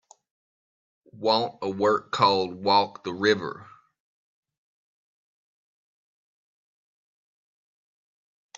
Want a work called Walk the River